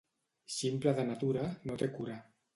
Ximple de natura, no té cura.